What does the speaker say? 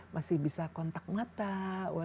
masih bisa kontak mata once in a while